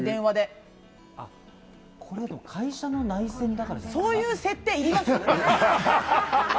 これ会社の内線だからじゃなそういう設定いります？